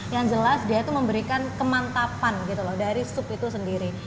yang jelas dia itu memberikan kemantapan gitu loh dari sup itu sendiri